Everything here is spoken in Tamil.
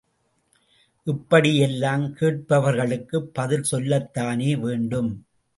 இப்படி எல்லாம் கேட்பவர்களுக்கு பதில் சொல்லத்தானே வேண்டும்.